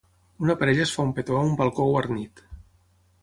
Una parella es fa un petó a un balcó guarnit.